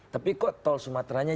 tapi kok tol sumateranya